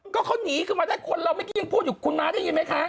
ก็เขาหนีขึ้นมาได้คนเราเมื่อกี้ยังพูดอยู่คุณม้าได้ยินไหมคะ